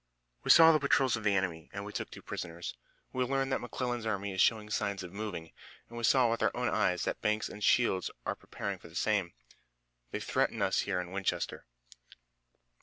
"We saw the patrols of the enemy, and we took two prisoners. We learned that McClellan's army is showing signs of moving, and we saw with our own eyes that Banks and Shields are preparing for the same. They threaten us here in Winchester."